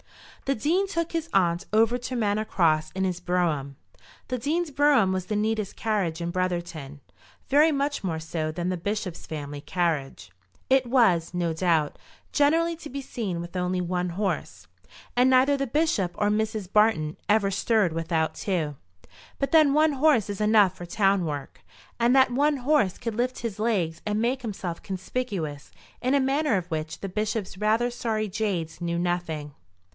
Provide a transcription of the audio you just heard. The Dean took his aunt over to Manor Cross in his brougham. The Dean's brougham was the neatest carriage in Brotherton, very much more so than the bishop's family carriage. It was, no doubt, generally to be seen with only one horse; and neither the bishop or Mrs. Barton ever stirred without two; but then one horse is enough for town work, and that one horse could lift his legs and make himself conspicuous in a manner of which the bishop's rather sorry jades knew nothing.